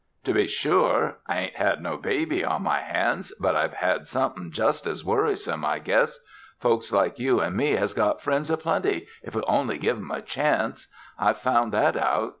To be sure, I ain't had no baby on my hands but I've had somethin' just as worrisome, I guess. Folks like you an' me has got friends a plenty if we'll only give 'em a chance. I've found that out.